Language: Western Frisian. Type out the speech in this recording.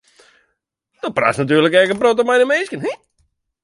Do praatst natuerlik ek in protte mei de minsken.